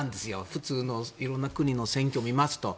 普通の色んな国の選挙を見ますと。